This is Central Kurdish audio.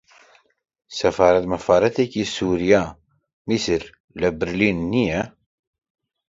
سەفارەت مەفارەتێکی سووریا، میسر لە برلین نییە